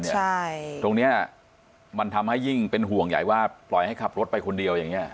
ตรงนี้มันทำให้ยิ่งเป็นห่วงใหญ่ว่าปล่อยให้ขับรถไปคนเดียวอย่างนี้